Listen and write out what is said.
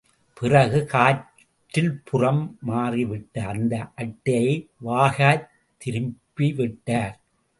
பிறகு, காற்றில் புறம் மாறிவிட்ட அந்த அட்டையை வாகாய்த் திருப்பி விட்டார்.